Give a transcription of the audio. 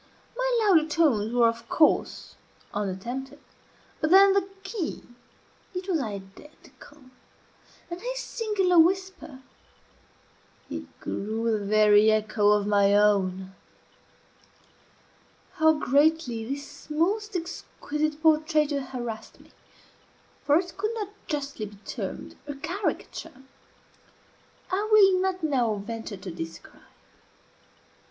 My louder tones were, of course, unattempted, but then the key, it was identical; and his singular whisper, it grew the very echo of my own. How greatly this most exquisite portraiture harassed me (for it could not justly be termed a caricature) I will not now venture to describe.